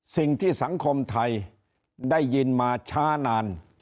สิ่งที่สังคมไทยได้ยินมาช้านาน